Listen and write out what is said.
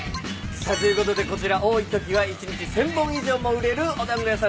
さあということでこちら多いときは一日１，０００本以上も売れるお団子屋さんです。